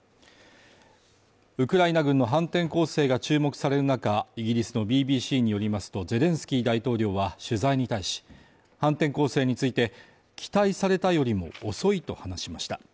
ウクライナ軍の反転攻勢が注目される中、イギリスのＢＢＣによりますとゼレンスキー大統領は取材に対し、反転攻勢について、期待されたよりも遅いと話しました。